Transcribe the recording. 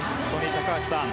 高橋さん